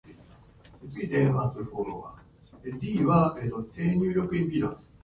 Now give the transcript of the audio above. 月の光に照らされ、竹林が揺れていた。